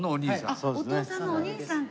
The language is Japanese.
あっお父さんのお兄さんか。